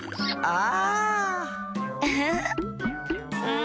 ああ。